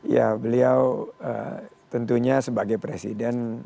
ya beliau tentunya sebagai presiden